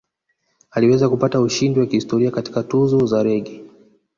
Aliweza kupata ushindi wa kihistoria katika Tuzo za Reggae